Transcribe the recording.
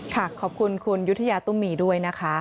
ขอบคุณคุณยุธยาตุ้มมีด้วยนะคะ